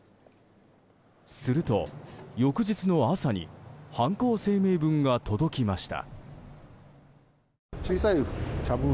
すると翌日の朝に犯行声明文が届きました。